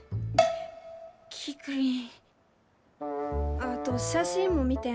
あと写真も見てん。